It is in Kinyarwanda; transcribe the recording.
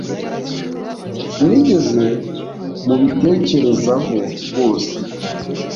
Sinigeze mubitekerezaho rwose